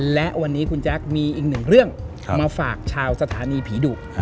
และวันนี้คุณแจ๊คมีอีกหนึ่งเรื่องมาฝากชาวสถานีผีดุ